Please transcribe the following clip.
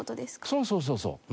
そうそうそうそう。